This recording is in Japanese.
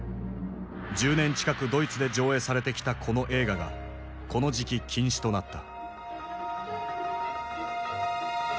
１０年近くドイツで上映されてきたこの映画がこの時期禁止となった。